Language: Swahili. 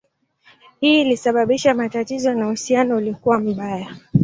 Hii ilisababisha matatizo na uhusiano ulikuwa mbaya.